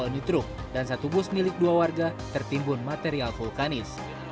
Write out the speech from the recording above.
dua unit truk dan satu bus milik dua warga tertimbun material vulkanis